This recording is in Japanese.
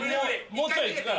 もうちょいいくから。